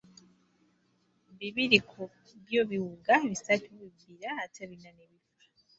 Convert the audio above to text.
Bibiri ku byo biwuga, bisatu bibbira ate bina ne bifa.